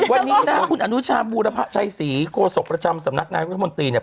วันนี้นะคุณอนุชาบูรพะชัยศรีโคศกประจำสำนักงานรัฐมนตรีเนี่ย